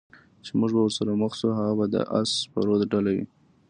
چې موږ به ورسره مخ شو، هغه به د اس سپرو ډله وي.